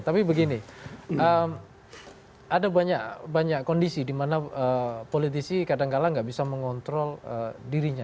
tapi begini ada banyak kondisi di mana politisi kadangkala tidak bisa mengontrol dirinya